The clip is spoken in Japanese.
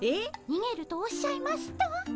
にげるとおっしゃいますと？